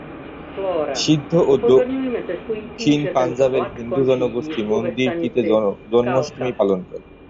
সিন্ধ ও দক্ষিণ পাঞ্জাবের হিন্দু জনগোষ্ঠী মন্দিরটিতে জন্মাষ্টমী পালন করে।